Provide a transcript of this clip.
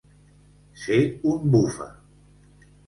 Ser un bufa.